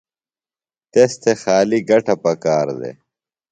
تس تھےۡ خالیۡ گٹہ پکار دےۡ۔